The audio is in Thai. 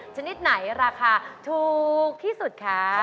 ชนิดไหนราคาถูกที่สุดคะ